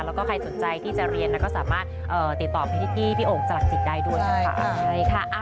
แล้วก็ใครสนใจที่จะเรียนก็สามารถติดต่อพี่นิกกี้พี่โอ่งสลักจิตได้ด้วยนะคะ